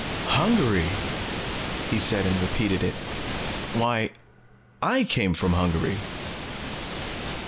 "Hungary!" he said and repeated it. "Why I came from Hungary!"